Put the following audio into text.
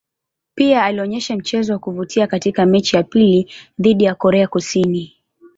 Pia alionyesha mchezo wa kuvutia katika mechi ya pili dhidi ya Korea Kusini.